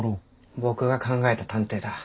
僕が考えた探偵だ。